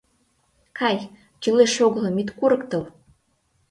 — Кай, кӱлеш-огылым ит курыктыл...